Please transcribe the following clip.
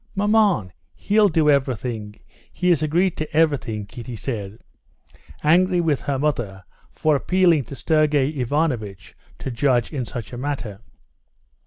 "Maman, he'll do everything; he has agreed to everything," Kitty said, angry with her mother for appealing to Sergey Ivanovitch to judge in such a matter.